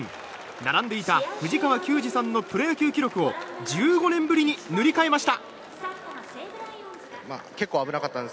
並んでいた藤川球児さんのプロ野球記録を１５年ぶりに塗り替えました。